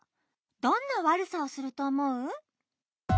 どんなわるさをするとおもう？